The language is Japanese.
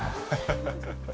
ハハハハ。